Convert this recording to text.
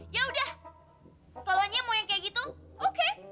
yaudah kalau nyamuk yang kayak gitu oke